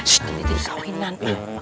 sih di kawinan